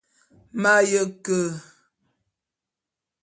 M'aye ke.